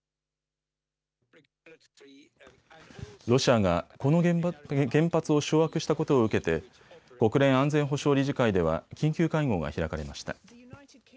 ロシアがこの原発を掌握したことを受けて国連安全保障理事会では緊急会合が開かれました。